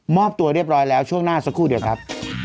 อบตัวเรียบร้อยแล้วช่วงหน้าสักครู่เดียวครับ